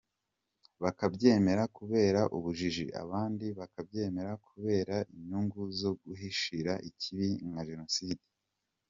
Bakabyemera kubera ubujiji, abandi bakabyemera kubera inyungu zo guhishira ikibi nka Jenoside.